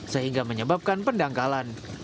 sehingga menyebabkan pendangkalan